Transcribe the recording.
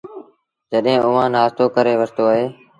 جڏهيݩٚ اُئآݩٚ نآشتو ڪري وٺتو تا